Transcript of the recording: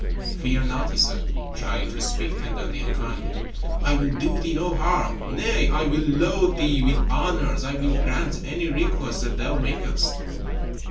"Fear not," he said, trying to speak tenderly and kindly. "I will do thee no harm. Nay, I will load thee with honors. I will grant any request that thou makest."